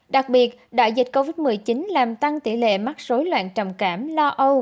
đặc biệt đại dịch covid một mươi chín làm tăng tỷ lệ mắc rối loạn trầm cảm lo âu